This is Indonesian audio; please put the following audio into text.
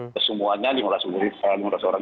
kesemuanya dimulas mulas orang orang